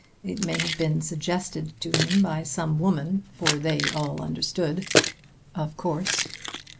It may have been suggested to him by some woman for they all understood, of course.